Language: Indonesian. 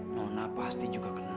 nona pasti juga kenal